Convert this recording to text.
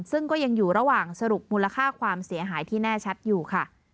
ซึ่งก็ยังอยู่ระหว่างสรุปมูลค่าความเสียหายที่แน่ชัดอยู่ค่ะ